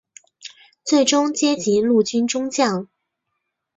最终阶级陆军中将。